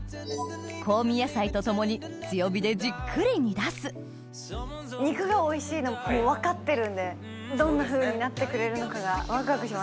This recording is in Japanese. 香味野菜と共に強火でじっくり煮出す肉がおいしいのもう分かってるんでどんなふうになってくれるのかが。